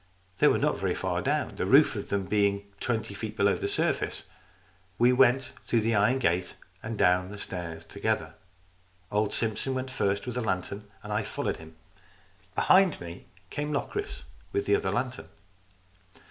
They were not very far down, the roof of them being twenty feet below the surface. We went through the iron gate and down the stairs together. Old Simpson went first with a lantern, and I followed him. Behind me came Locris with the other lantern.